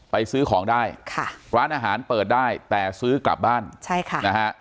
ซื้อของได้ค่ะร้านอาหารเปิดได้แต่ซื้อกลับบ้านใช่ค่ะนะฮะ